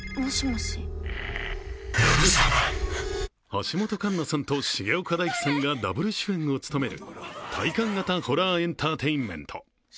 橋本環奈さんと重岡大毅さんがダブル主演を務める体感型ホラーエンターテインメント。